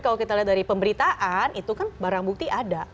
kalau kita lihat dari pemberitaan itu kan barang bukti ada